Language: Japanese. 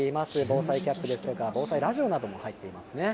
防災キャップですとか防災ラジオなども入っていますね。